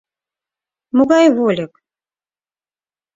Могай вольык?